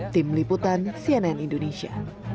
tim liputan cnn indonesia